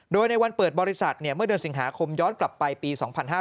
โดยในวันเปิดบริษัทเมื่อเดือนสิงหาคมย้อนกลับไปปี๒๕๕๙